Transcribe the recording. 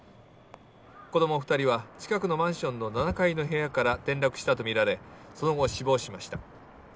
子供２人は近くのマンションの７階の部屋から転落したとみられその後、死亡しました。